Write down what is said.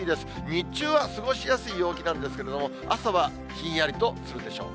日中は過ごしやすい陽気なんですけれども、朝晩ひんやりとするでしょう。